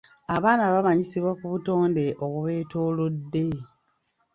Abaana bamanyisibwa ku butonde obubeetoolodde.